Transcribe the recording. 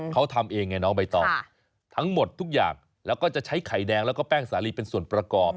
เขาทำเองไงน้องใบตองทั้งหมดทุกอย่างแล้วก็จะใช้ไข่แดงแล้วก็แป้งสาลีเป็นส่วนประกอบ